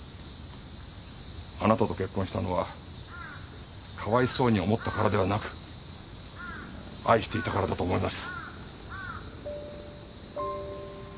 あなたと結婚したのはかわいそうに思ったからではなく愛していたからだと思います。